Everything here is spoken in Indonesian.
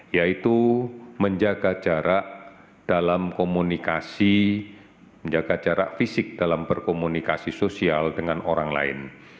yaitu menjaga jarak dalam komunikasi menjaga jarak fisik dalam berkomunikasi sosial dengan orang lain